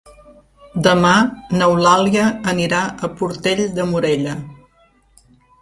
Demà n'Eulàlia anirà a Portell de Morella.